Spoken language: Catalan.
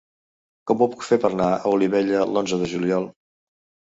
Com ho puc fer per anar a Olivella l'onze de juliol?